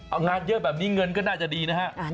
เอางานเยอะแบบนี้เงินก็น่าจะดีนะฮะ